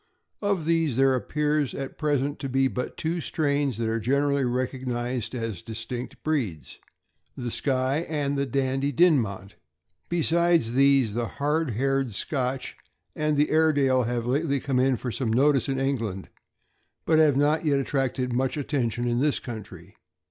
Of these, there appears at present to be but two strains that are generally recog nized as distinct breeds — the Skye and the Dandie Dinmont. Besides these, the hard haired Scotch and the Airedale have lately come in for some notice in England, but have not yet attracted much attention in this country.